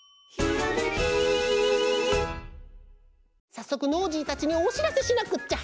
さっそくノージーたちにおしらせしなくっちゃ！